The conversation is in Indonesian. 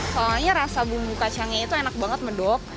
soalnya rasa bumbu kacangnya itu enak banget medok